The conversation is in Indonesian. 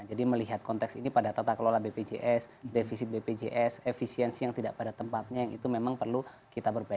jadi melihat konteks ini pada tata kelola bpjs defisit bpjs efisiensi yang tidak pada tempatnya itu memang perlu kita perbaiki